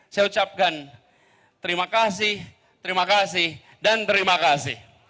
saya ucapkan terima kasih terima kasih dan terima kasih